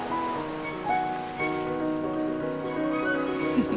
フフ。